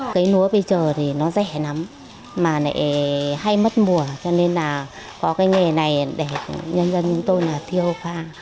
cái núa bây giờ thì nó rẻ lắm mà lại hay mất mùa cho nên là có cái nghề này để nhân dân chúng tôi là tiêu pha